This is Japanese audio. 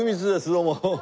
どうも。